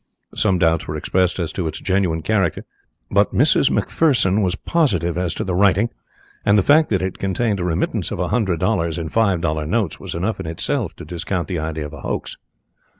Some doubts were expressed as to its genuine character but Mrs. McPherson was positive as to the writing, and the fact that it contained a remittance of a hundred dollars in five dollar notes was enough in itself to discount the idea of a hoax.